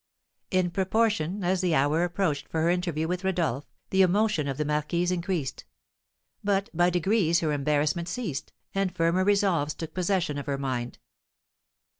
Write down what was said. In proportion as the hour approached for her interview with Rodolph, the emotion of the marquise increased; but by degrees her embarrassment ceased, and firmer resolves took possession of her mind.